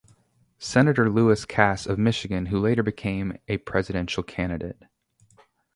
Senator Lewis Cass of Michigan who later became a presidential candidate.